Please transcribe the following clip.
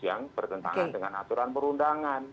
yang bertentangan dengan aturan perundangan